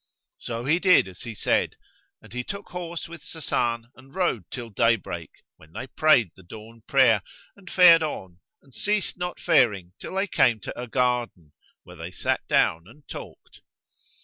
So he did as he said, and he took horse with Sasan and rode till day break, when they prayed the dawn prayer and fared on, and ceased not faring till they came to a garden, where they sat down and talked.